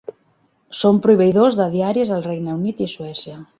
Són proveïdors de diaris al Regne Unit i Suècia.